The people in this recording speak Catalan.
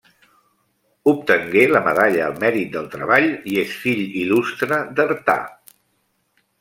Obtengué la medalla al Mèrit del Treball i és fill il·lustre d'Artà.